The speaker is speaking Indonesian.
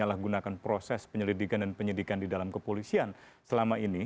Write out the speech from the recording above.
atau menggunakan proses penyelidikan dan penyelidikan di dalam kepolisian selama ini